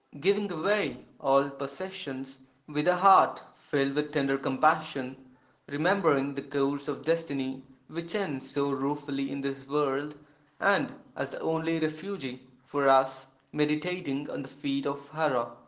Giving away all possessions, with a heart filled with tender compassion, remembering the course of destiny which ends so ruefully in this world and, as the only refuge for us, meditating on the feet of Hara (i.